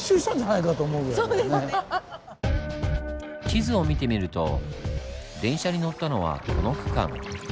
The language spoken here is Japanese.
地図を見てみると電車に乗ったのはこの区間。